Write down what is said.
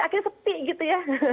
akhirnya sepi gitu ya